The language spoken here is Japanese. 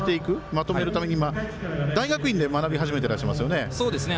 まとめるために、大学院で学び始めていらっしゃいますよね。